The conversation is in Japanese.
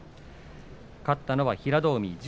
勝ったのは平戸海です。